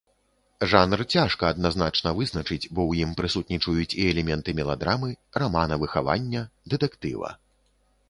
Жанр цяжка адназначна вызначыць, бо ў ім прысутнічаюць і элементы меладрамы, рамана выхавання, дэтэктыва.